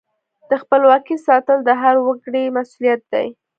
د خپلواکۍ ساتل د هر وګړي مسؤلیت دی.